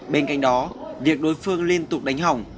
bên cạnh đó việc đối phương liên tục đánh hỏng